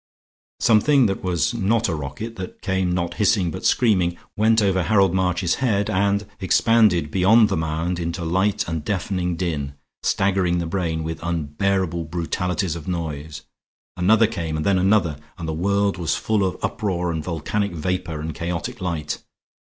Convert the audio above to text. Something that was not a rocket, that came not hissing but screaming, went over Harold March's head and expanded beyond the mound into light and deafening din, staggering the brain with unbearable brutalities of noise. Another came, and then another, and the world was full of uproar and volcanic vapor and chaotic light.